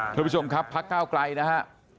ท่านผู้ชมครับพักก้าวไกลนะฮะ